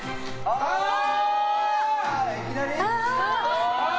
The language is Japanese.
いきなり？